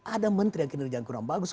ada menteri yang kinerja yang kurang bagus